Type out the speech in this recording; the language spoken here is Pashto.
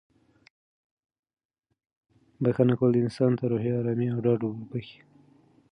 بښنه کول انسان ته روحي ارامي او ډاډ وربښي.